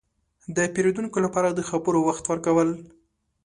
– د پېرودونکو لپاره د خبرو وخت ورکول.